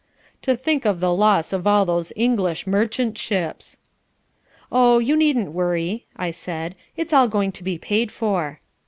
"To think of the loss of all those English merchant ships!" "Oh, you needn't worry," I said, "it's all going to be paid for."